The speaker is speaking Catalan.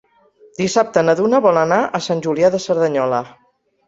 Dissabte na Duna vol anar a Sant Julià de Cerdanyola.